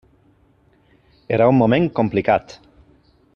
Era un moment complicat.